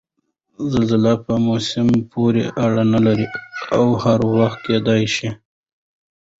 زلزله په موسم پورې اړنه نلري او هر وخت کېدای شي وشي؟